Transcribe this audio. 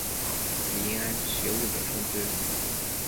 遴谙学务者充之。